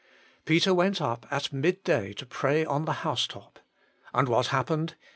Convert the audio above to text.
Peter went up at midday to pray on the housetop. And what happened ?